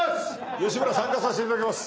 吉村参加させて頂きます。